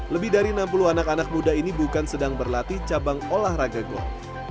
lebih dari enam puluh anak anak muda ini bukan sedang berlatih cabang olahraga gor